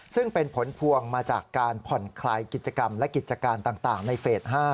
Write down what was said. ซึ่งเป็นผลพวงมาจากการผ่อนคลายกิจกรรมและกิจการต่างในเฟส๕